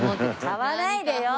買わないでよ！